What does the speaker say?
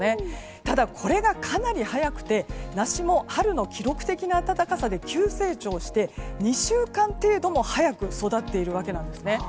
ただ、これがかなり早くて梨も春の記録的な暖かさで急成長して２週間程度も早く育っているわけなんですね。